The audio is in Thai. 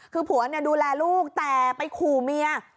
คือผัวดูแลลูกแต่ไปขู่เมีย